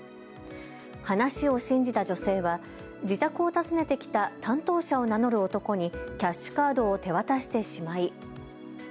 話を信じた女性は自宅を訪ねてきた担当者を名乗る男にキャッシュカードを手渡してしまい。